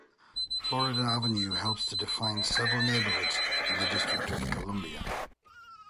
Florida Avenue helps to define several neighborhoods in the District of Columbia.